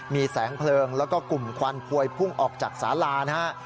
มีแสงเพลิงแล้วก็กลุ่มควันพวยพุ่งออกจากสาลานะฮะ